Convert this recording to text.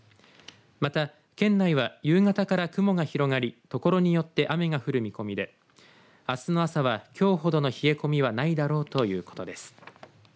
また、県内は夕方から雲が広がり所によって雨が降る見込みであすの朝は、きょうほどの冷え込みはないだろうということです。